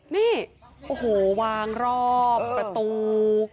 นี่โอ้โหวางรอบประตู